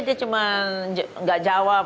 dia cuma gak jawab